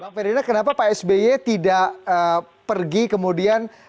bang ferdinand kenapa pak sby tidak pergi kemudian